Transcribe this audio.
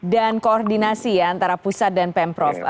dan koordinasi ya antara pusat dan pemprov